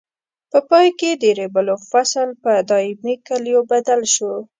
په پای کې د ریبلو فصل په دایمي کلیو بدل شو.